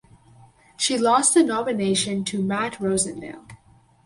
She lost the nomination to Matt Rosendale.